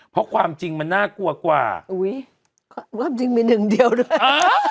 เพราะความจริงมันน่ากลัวกว่าอุ้ยความจริงมีหนึ่งเดียวด้วย